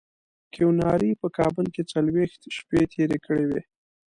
کیوناري په کابل کې څلوېښت شپې تېرې کړې وې.